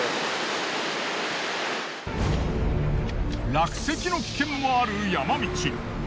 落石の危険もある山道。